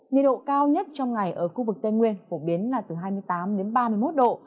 nhiệt độ cao nhất trong ngày ở khu vực tây nguyên phổ biến là từ hai mươi tám đến ba mươi một độ